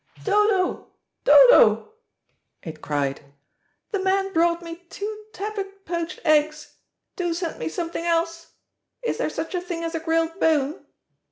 "Dodo, Dodo," it cried, "the man brought me two tepid poached eggs! Do send me something else. Is there such a thing as a grilled bone?"